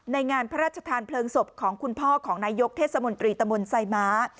งานพระราชทานเพลิงศพของคุณพ่อของนายกเทศมนตรีตะมนต์ไซม้า